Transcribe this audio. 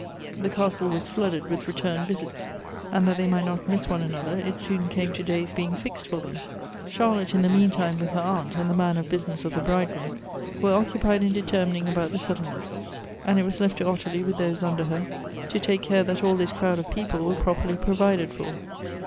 The castle was flooded with return visits, and that they might not miss one another, it soon came to days being fixed for them. Charlotte, in the mean time, with her aunt, and the man of business of the bridegroom, were occupied in determining about the settlements, and it was lefl to Ottilie, with those under her, to take care that all this crowd of people were properly provided for.